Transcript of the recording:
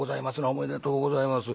おめでとうございます。